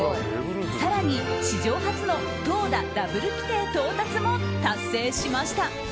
更に史上初の投打ダブル規定到達も達成しました。